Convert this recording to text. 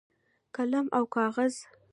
قلم او کاغذ